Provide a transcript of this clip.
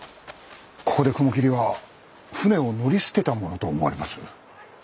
ここで雲霧は船を乗り捨てたものと思われます。